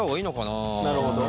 なるほど。